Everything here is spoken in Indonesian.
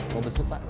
mau besuk pak